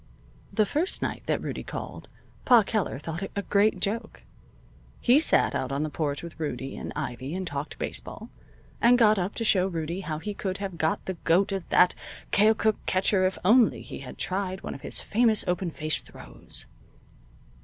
The first night that Rudie called, Pa Keller thought it a great joke. He sat out on the porch with Rudie and Ivy and talked baseball, and got up to show Rudie how he could have got the goat of that Keokuk catcher if only he had tried one of his famous open faced throws.